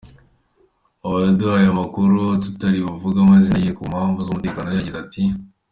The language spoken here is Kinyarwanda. Uwaduhaye amakuru tutari buvuge amazina ye ku mpamvu z'umutekano we yagize ati:.